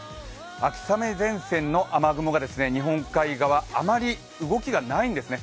秋雨前線の雨雲が、日本海側、あまり動きがないんですね。